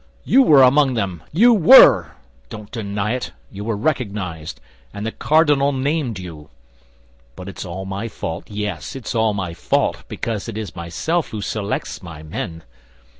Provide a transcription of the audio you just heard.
You were among them—you were! Don't deny it; you were recognized, and the cardinal named you. But it's all my fault; yes, it's all my fault, because it is myself who selects my men.